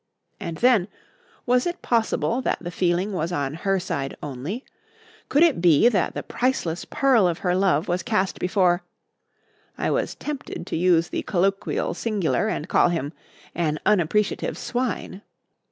And then, was it possible that the feeling was on her side only? Could it be that the priceless pearl of her love was cast before I was tempted to use the colloquial singular and call him an "unappreciative swine!"